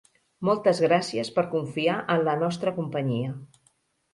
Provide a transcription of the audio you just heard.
Moltes gràcies per confiar en la nostra companyia.